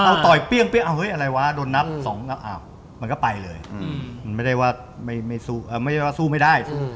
แม่งอยู่เล่นไม่สู้อะ